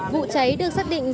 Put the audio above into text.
vụ cháy được xác định